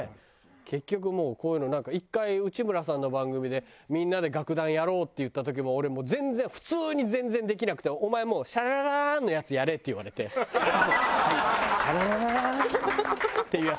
結局もうこういうのなんか１回内村さんの番組でみんなで楽団やろうっていった時も俺もう全然普通に全然できなくて「お前シャラララーンのやつやれ」って言われて「はい」。シャラララララーンっていうやつだけ。